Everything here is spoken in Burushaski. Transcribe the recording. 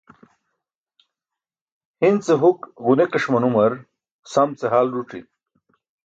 Hi̇n ce huk ġuni̇ki̇ṣ manumar sam ce hal ẓuc̣i̇.